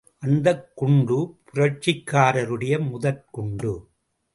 அந்தக் குண்டு புரட்சிக்காரருடைய முதற் குண்டு.